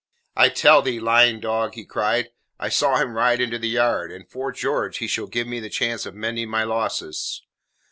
"I tell thee, lying dog," he cried, "I saw him ride into the yard, and, 'fore George, he shall give me the chance of mending my losses.